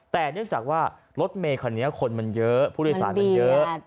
แต่เนื่องจากว่ารถเมคันนี้คนมันเยอะผู้โดยสารมันเยอะ